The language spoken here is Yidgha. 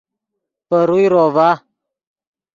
پے روئے روڤا